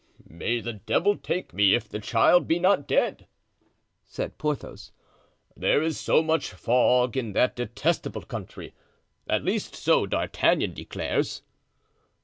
"May the devil take me, if the child be not dead," said Porthos. "There is so much fog in that detestable country, at least so D'Artagnan declares."